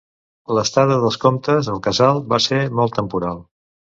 L'estada dels comtes al casal va ser molt temporal.